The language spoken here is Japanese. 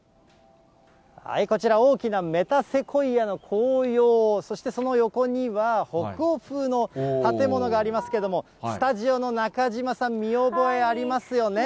こちら、大きなメタセコイアの紅葉、そしてその横には、北欧風の建物がありますけれども、スタジオの中島さん、見覚えありますよね。